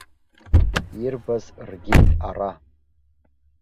Ирбаз ргеит ара.